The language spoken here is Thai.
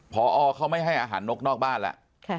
ค่ะพอออเขาไม่ให้อาหารนกนอกบ้านล่ะค่ะ